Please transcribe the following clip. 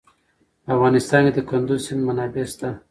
په افغانستان کې د کندز سیند منابع شته.